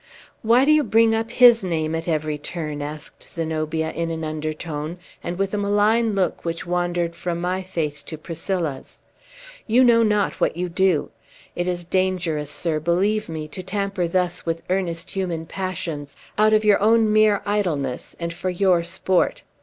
"Why do you bring up his name at every turn?" asked Zenobia in an undertone, and with a malign look which wandered from my face to Priscilla's. "You know not what you do! It is dangerous, sir, believe me, to tamper thus with earnest human passions, out of your own mere idleness, and for your sport.